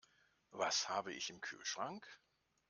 Was habe ich im Kühlschrank?